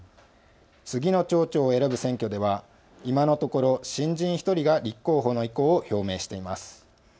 次の町長を選ぶ選挙では今のところ新人１人が立候補の意向を表明しています。